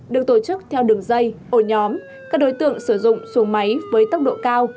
được tổ chức theo đường dây ổ nhóm các đối tượng sử dụng xuồng máy với tốc độ cao